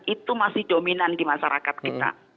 itu masih dominan di masyarakat kita